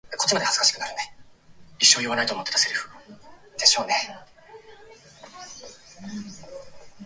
どれくらいのあいだそうしていたのか、Ｋ にはわからなかった。亭主が上衣を引っ張って、彼に使いの者がきた、というまで、そうしていた。